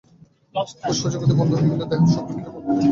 ফুসফুসের গতি বন্ধ হইলে দেহের সকল ক্রিয়া সঙ্গে সঙ্গে বন্ধ হইয়া যায়।